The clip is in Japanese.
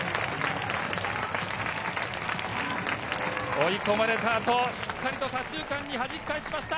追い込まれたあと、しっかりと左中間にはじき返しました。